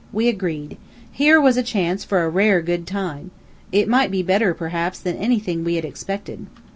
We agreed. Here was a chance for a rare good time. It might be better, perhaps, than anything we had expected.